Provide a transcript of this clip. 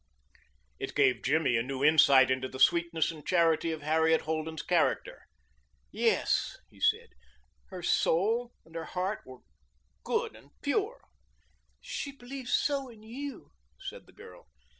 It gave Jimmy a new insight into the sweetness and charity of Harriet Holden's character. "Yes," he said, "her soul and her heart were good and pure." "She believed so in you," said the girl.